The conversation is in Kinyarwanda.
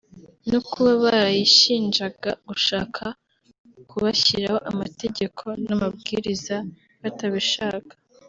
no kuba barayishinjaga gushaka kubashyiraho amategeko n’amabwiriza batabishaka